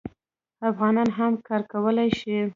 افغانان هم کار کولی شي.